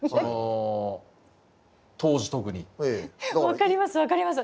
分かります分かります。